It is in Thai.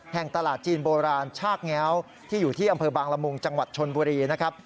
แห่งตลาดจีนโบราณชากแง้วที่อยู่ที่อำเภอบางละมุงจังหวัดชนบุรีนะครับ